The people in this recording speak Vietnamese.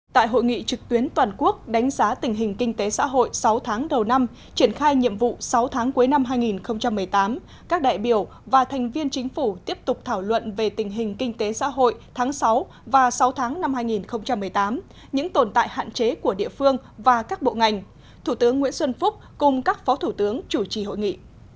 tại hội nghị trực tuyến toàn quốc đánh giá tình hình kinh tế xã hội sáu tháng đầu năm triển khai nhiệm vụ sáu tháng cuối năm hai nghìn một mươi tám các đại biểu và thành viên chính phủ tiếp tục thảo luận về tình hình kinh tế xã hội tháng sáu và sáu tháng năm hai nghìn một mươi tám những tồn tại hạn chế của địa phương và các bộ ngành thủ tướng nguyễn xuân phúc cùng các phó thủ tướng chủ trì hội nghị